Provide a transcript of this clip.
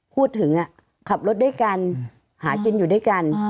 พูดถึงขับรถด้วยกันหากินอยู่ด้วยกัน